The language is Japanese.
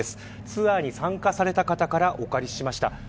ツアーに参加された方からお借りしました。